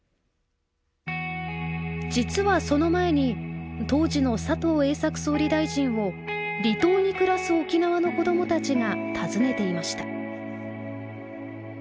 実はその前に当時の佐藤栄作総理大臣を離島に暮らす沖縄の子どもたちが訪ねていました。